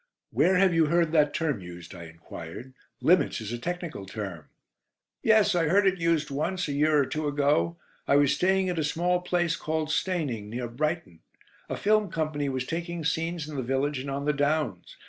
"Where have you heard that term used?" I enquired. "'Limits' is a technical term." "Yes, I heard it used once, a year or two ago. I was staying at a small place called Steyning, near Brighton. A Film Company was taking scenes in the village and on the downs.